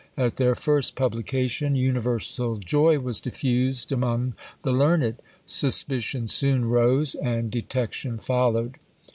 At their first publication universal joy was diffused among the learned. Suspicion soon rose, and detection followed.